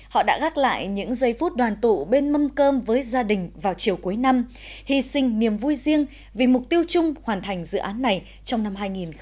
họ đã gác lại những giây phút đoàn tụ bên mâm cơm với gia đình vào chiều cuối năm hy sinh niềm vui riêng vì mục tiêu chung hoàn thành dự án này trong năm hai nghìn hai mươi